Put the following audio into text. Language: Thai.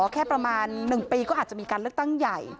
แค่ประมาณ๑ปีก็อาจจะมีการเลือกตั้งใหญ่